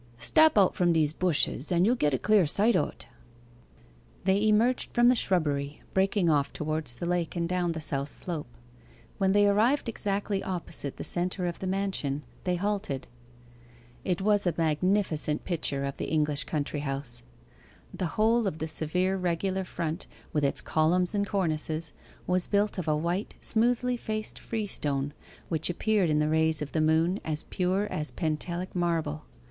Stap out from these bushes, and you'll get a clear sight o't.' They emerged from the shrubbery, breaking off towards the lake, and down the south slope. When they arrived exactly opposite the centre of the mansion, they halted. It was a magnificent picture of the English country house. The whole of the severe regular front, with its columns and cornices, was built of a white smoothly faced freestone, which appeared in the rays of the moon as pure as Pentelic marble.